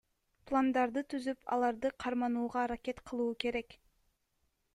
Пландарды түзүп, аларды карманууга аракет кылуу керек.